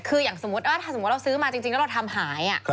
คืออย่างสมมุติถ้าสมมุติเราซื้อมาจริงแล้วเราทำหาย